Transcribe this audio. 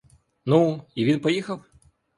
Ну, і він поїхав?